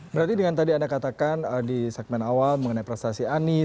berarti dengan tadi anda katakan di segmen awal mengenai prestasi anies